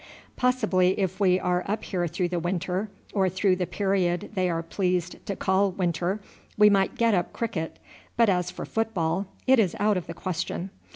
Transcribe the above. Possibly if we are up here through the winter, or through the period they are pleased to call winter, we might get up cricket; but as for football, it is out of the question.